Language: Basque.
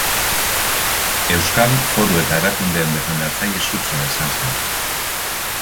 Euskal Foru eta Erakundeen defendatzaile sutsua izan zen.